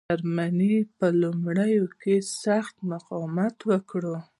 جرمني په لومړیو کې سخت مقاومت وکړ.